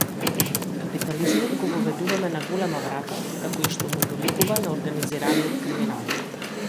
Капитализмот го воведуваме на голема врата, како и што му доликува на организираниот криминал.